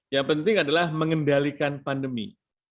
yang penting adalah mengendalikan pandemi